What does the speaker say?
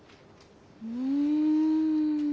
うん。